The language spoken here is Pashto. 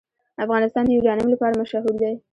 افغانستان د یورانیم لپاره مشهور دی.